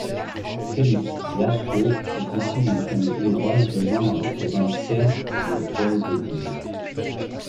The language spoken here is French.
Félix Lajkó est issu d'une famille hongroise vivant dans la province serbe de Voïvodine.